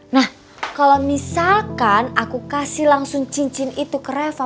nah kalau misalkan aku kasih langsung cincin itu ke reva